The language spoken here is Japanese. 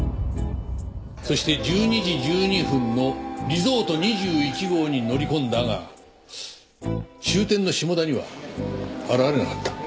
そして１２時１２分のリゾート２１号に乗り込んだが終点の下田には現れなかった。